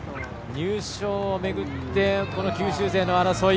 入賞を巡って九州勢の争い。